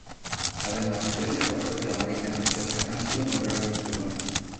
Además, trece barcos de la Marina francesa han sido nombrados en su honor.